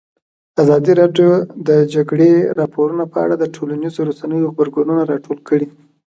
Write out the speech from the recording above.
ازادي راډیو د د جګړې راپورونه په اړه د ټولنیزو رسنیو غبرګونونه راټول کړي.